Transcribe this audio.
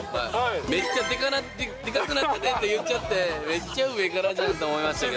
めっちゃでかくなったねって言っちゃって、めっちゃ上からだと思いましたけど。